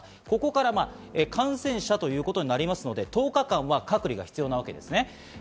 ここから感染者ということになりますので、１０日間は隔離が必要なわけです。